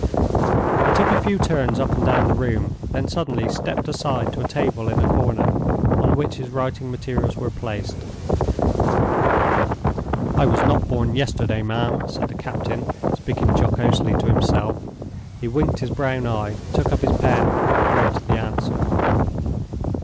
He took a few turns up and down the room, then suddenly stepped aside to a table in a corner on which his writing materials were placed. "I was not born yesterday, ma'am!" said the captain, speaking jocosely to himself. He winked his brown eye, took up his pen, and wrote the answer.